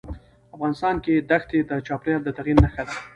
افغانستان کې ښتې د چاپېریال د تغیر نښه ده.